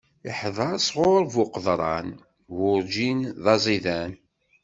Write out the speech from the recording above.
Iḥder sɣuṛ bu qeḍran, werǧin d aẓidan.